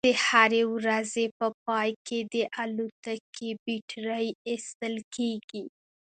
د هرې ورځې په پای کې د الوتکې بیټرۍ ایستل کیږي